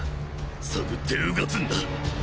探って穿つんだ。